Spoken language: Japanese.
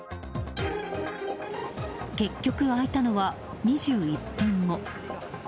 結局、開いたのは２１分後。